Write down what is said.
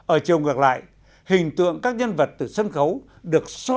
ở chiều ngược lại hình tượng các nhân vật từ sân khấu được soi trở